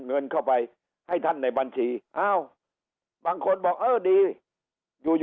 เงินเข้าไปให้ท่านในบัญชีอ้าวบางคนบอกเออดีอยู่อยู่